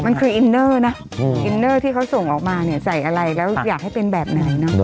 มันคืออินเนอร์นะอินเนอร์ที่เขาส่งออกมาเนี่ยใส่อะไรแล้วอยากให้เป็นแบบไหนเนอะ